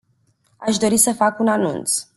Aș dori să fac un anunț.